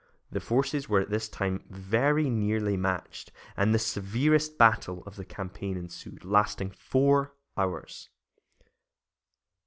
The forces were at this time very nearly matched, and the severest battle of the campaign ensued, lasting four hours.